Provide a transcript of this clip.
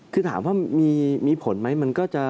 คือถามว่ามีผลไหม